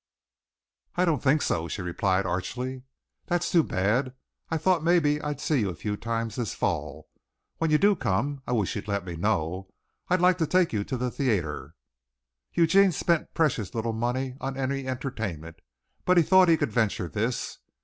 "I don't think so," she replied archly. "That's too bad. I thought maybe I'd see you a few times this fall. When you do come I wish you could let me know. I'd like to take you to the theatre." Eugene spent precious little money on any entertainment, but he thought he could venture this.